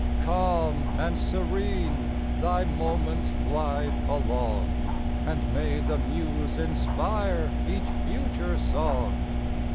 Calm and serene thy moments glide along, And may the muse inspire each future song!